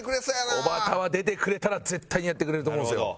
おばたは出てくれたら絶対にやってくれると思うんですよ。